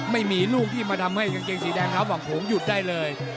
ไม่มีลูกที่มาทำให้กางเกงสีแดงเท้าหวังโขงหยุดได้เลย